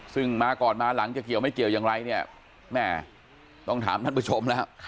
ซึ่งมาก่อนมาหลังจะเกี่ยวไม่เกี่ยวอย่างไรเนี่ยแม่ต้องถามท่านผู้ชมแล้ว